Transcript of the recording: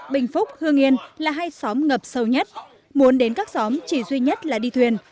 bình phúc hương yên là hai xóm ngập sâu nhất muốn đến các xóm chỉ duy nhất là đi thuyền